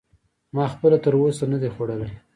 ما خپله تر اوسه نه دی خوړلی.